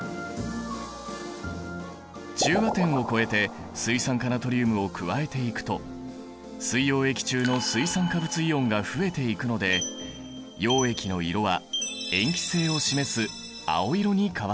中和点を超えて水酸化ナトリウムを加えていくと水溶液中の水酸化物イオンが増えていくので溶液の色は塩基性を示す青色に変わったんだ。